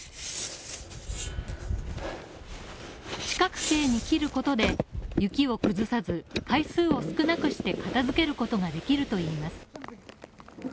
四角形に切ることで、雪を崩さず、回数を少なくして片付けることができるといいます。